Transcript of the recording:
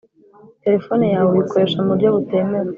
Telefoni yawe uyikoresha mu buryo butemewe